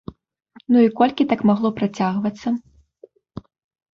Ну і колькі так магло працягвацца?!